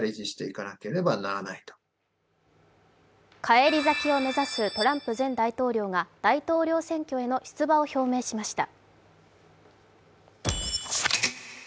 返り咲きを目指すトランプ前大統領が大統領選挙への出馬を表明しました。